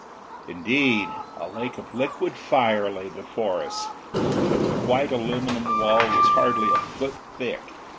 Indeed, a lake of liquid fire lay before us. The white aluminum wall was hardly a foot thick.